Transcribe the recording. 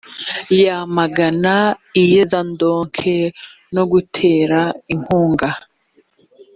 yamagana iyezandonke no gutera inkunga.